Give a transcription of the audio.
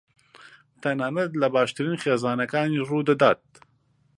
تەنانەت لە باشترین خێزانەکانیش ڕوودەدات.